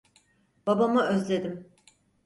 Babamı özledim.